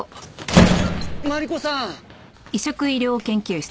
マリコさん。